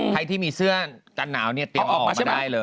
ใครที่มีเสื้อจะหนาวเตรียมออกมาได้เลย